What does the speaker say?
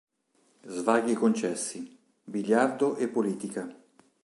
Svaghi concessi: biliardo e politica.